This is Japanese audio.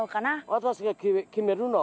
私が決めるの？